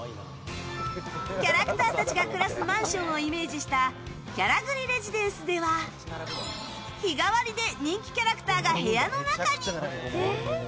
キャラクターたちが暮らすマンションをイメージしたキャラグリレジデンスでは日替わりで人気キャラクターが部屋の中に。